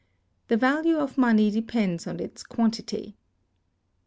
The Value of Money depends on its quantity.